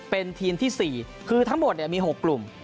เป็นทีมที่สี่คือทั้งหมดเนี่ยมีหกกลุ่ม